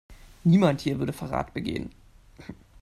Niemand hier würde Verrat begehen.